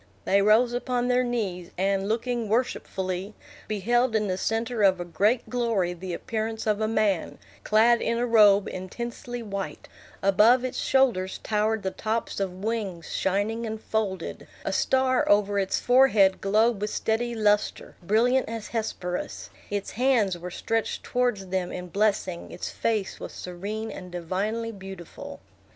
They rose upon their knees, and, looking worshipfully, beheld in the centre of a great glory the appearance of a man, clad in a robe intensely white; above its shoulders towered the tops of wings shining and folded; a star over its forehead glowed with steady lustre, brilliant as Hesperus; its hands were stretched towards them in blessing; its face was serene and divinely beautiful.